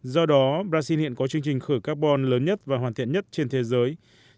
do đó brazil hiện có chương trình khởi carbon lớn nhất và hoàn thiện nhất trên thế giới